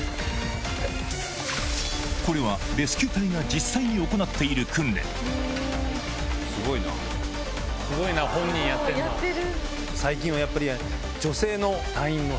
これはレスキュー隊が実際に行っている訓練カラビナよし！